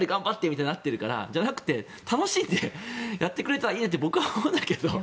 みたいになってるからじゃなくて、楽しんでやってくれたらいいのではと僕は思うんだけど。